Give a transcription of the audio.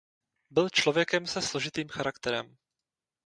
Byl člověkem se složitým charakterem.